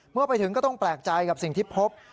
เมื่อไปถึงก็ต้องแปลกใจกับสิ่งที่พบ